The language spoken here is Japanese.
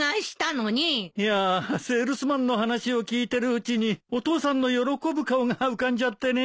いやセールスマンの話を聞いてるうちにお父さんの喜ぶ顔が浮かんじゃってね。